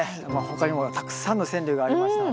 他にもたくさんの川柳がありました。